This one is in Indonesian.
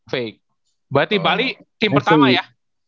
baik berarti bali tim pertama ya